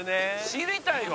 「知りたいわ！